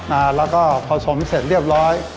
อ่าแล้วก็ผสมเสร็จเรียบร้อย